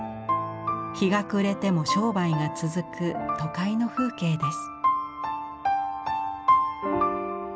日が暮れても商売が続く都会の風景です。